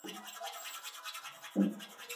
গাড়ির পেছনে কেউ গুলি করবে না।